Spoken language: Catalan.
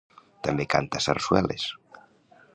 També canta sarsueles.